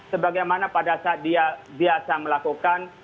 sebagaimana pada saat dia biasa melakukan